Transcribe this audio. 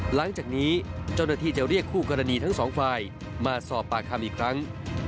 หลังจากนี้เจ้าหน้าที่จะเรียกคู่กรณีทั้งสองฝ่ายมาสอบปากคำอีกครั้ง